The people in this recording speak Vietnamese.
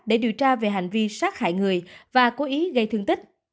để điều tra về hành vi sát hại người và cố ý gây thương tích